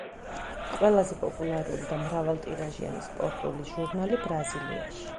ყველაზე პოპულარული და მრავალტირაჟიანი სპორტული ჟურნალი ბრაზილიაში.